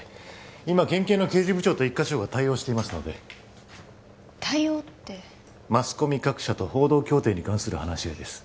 今県警の刑事部長と一課長が対応していますので対応ってマスコミ各社と報道協定に関する話し合いです